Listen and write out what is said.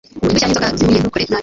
Udushya ninzoka zihumye ntukore nabi